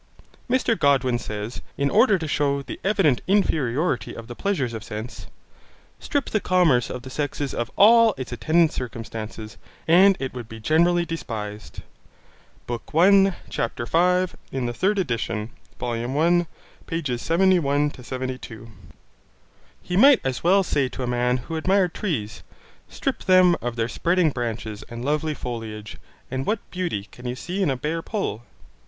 Mr Godwin says, in order to shew the evident inferiority of the pleasures of sense, 'Strip the commerce of the sexes of all its attendant circumstances, and it would be generally despised' (Bk. I, ch. 5; in the third edition, Vol. I, pp. 71 72). He might as well say to a man who admired trees: strip them of their spreading branches and lovely foliage, and what beauty can you see in a bare pole?